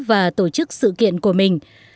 và tổ chức sự kiện của mình